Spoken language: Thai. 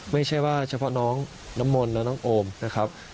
ไม่ใช่ว่าเฉพาะน้องน้ำมนต์และน้องโอมนะครับ